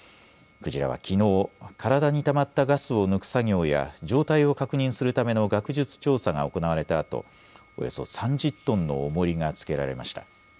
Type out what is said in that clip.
クジラはきのう、体にたまったガスを抜く作業や状態を確認するための学術調査が行われたあとおよそ３０トンのおもりがつけられました。